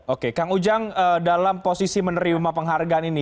oke kang ujang dalam posisi menerima penghargaan ini